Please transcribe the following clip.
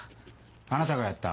あなたがやった？